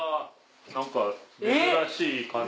何か珍しい感じ。